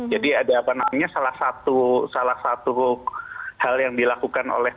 jadi ada salah satu hal yang dilakukan oleh pergerakan indonesia